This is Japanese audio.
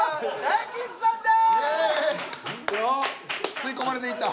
吸い込まれていった。